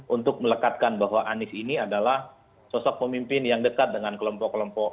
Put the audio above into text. untuk melekatkan bahwa anies ini adalah sosok pemimpin yang dekat dengan kelompok kelompok